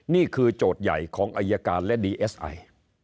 โจทย์ใหญ่ของอายการและดีเอสไอ